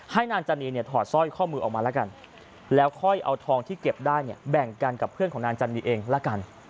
นางจันนีเนี่ยถอดสร้อยข้อมือออกมาแล้วกันแล้วค่อยเอาทองที่เก็บได้เนี่ยแบ่งกันกับเพื่อนของนางจันนีเองละกัน